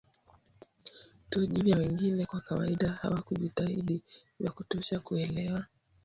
tu juu ya wengine kwa kawaida hawakujitahidi vya kutosha kuelewa